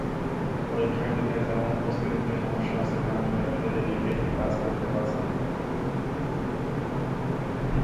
পরীক্ষার্থীদের যেমন প্রস্তুতিতে সমস্যা হচ্ছে, তেমনি ব্যবসায়ীরা নির্বিঘ্নে কাজ করতে পারছেন না।